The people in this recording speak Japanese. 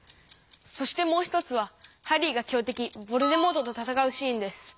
そしてもう一つはハリーが強てきヴォルデモートとたたかうシーンです。